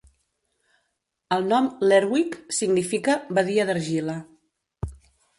El nom "Lerwick" significa "badia d'argila".